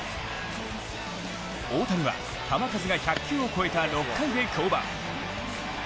大谷は球数が１００球を超えた６回で降板。